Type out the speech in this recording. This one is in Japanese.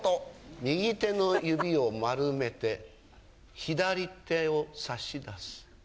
右手の指を丸めて左手を差し出す。